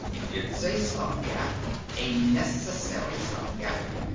It's a stopgap a necessary stopgap.